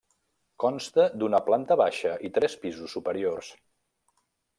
Consta d'una planta baixa i tres pisos superiors.